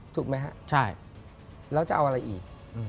ถูกไหมฮะใช่แล้วจะเอาอะไรอีก